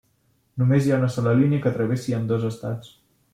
Només hi ha una sola línia que travessi ambdós estats.